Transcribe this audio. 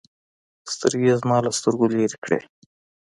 سترگې يې زما له سترگو لرې کړې.